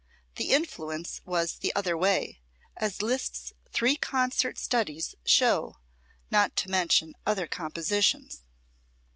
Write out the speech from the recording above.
The influence was the other way, as Liszt's three concert studies show not to mention other compositions.